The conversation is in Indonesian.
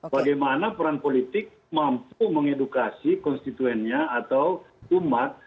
bagaimana peran politik mampu mengedukasi konstituennya atau umat